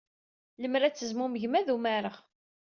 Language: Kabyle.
Lemmer ad tezmumgem, ad umareɣ.